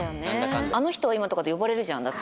「あの人は今！？」とかで呼ばれるじゃんだって。